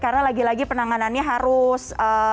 karena lagi lagi penanganannya harus